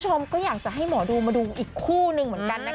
คุณผู้ชมก็อยากจะให้หมอดูมาดูอีกคู่หนึ่งเหมือนกันนะคะ